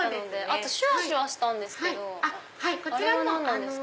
あとシュワシュワしたんですけどあれは何なんですか？